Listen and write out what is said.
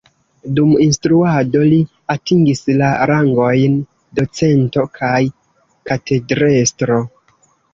Dum instruado li atingis la rangojn docento kaj katedrestro.